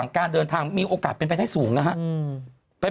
การเดินทางมีโอกาสเป็นไปได้สูงนะครับ